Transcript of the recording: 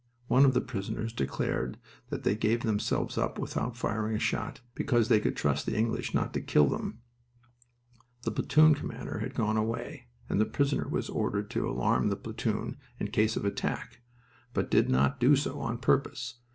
One of the prisoners declared that they gave themselves up without firing a shot, because they could trust the English not to kill them. The platoon commander had gone away, and the prisoner was ordered to alarm the platoon in case of attack, but did not do so on purpose.